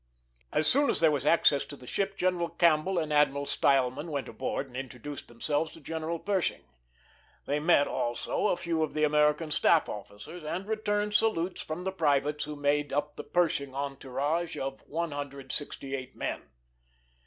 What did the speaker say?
As soon as there was access to the ship General Campbell and Admiral Stileman went aboard and introduced themselves to General Pershing. They met, also, a few of the American staff officers, and returned salutes from the privates who made up the Pershing entourage of 168 men.